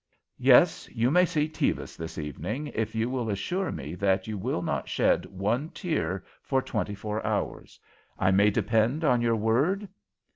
"Yes, you may see Tevis this evening if you will assure me that you will not shed one tear for twenty four hours. I may depend on your word?"